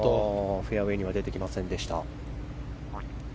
フェアウェーには出てきませんでした。